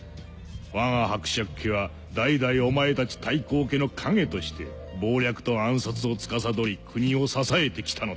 わが伯爵家は代々お前たち大公家の影として謀略と暗殺を司り国を支えてきたのだ。